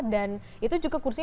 dan itu juga kursinya